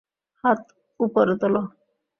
হাত উপরে তোল।